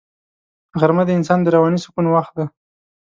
غرمه د انسان د رواني سکون وخت دی